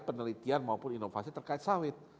penelitian maupun inovasi terkait sawit